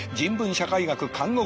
社会学看護学